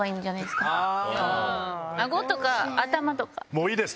もういいです